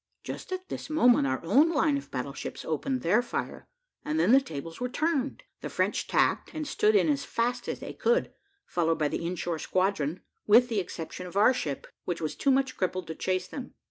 Just at this moment, our own line of battle ships opened their fire, and then the tables were turned. The French tacked, and stood in as fast as they could, followed by the in shore squadron, with the exception of our ship, which was too much crippled to chase them.